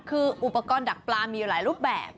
คืออุปกรณ์ดักปลามีหลายรูปแบบ